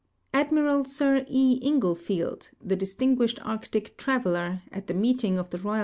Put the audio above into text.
Ailmiral Sir E. Inglefield, the distinguished Arctic traveler, at the meeting of the Koval